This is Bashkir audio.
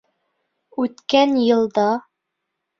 Үткән йылда